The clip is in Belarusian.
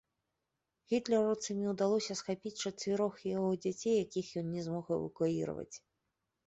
Гітлераўцамі ўдалося схапіць чацвярых яго дзяцей, якіх ён не змог эвакуіраваць.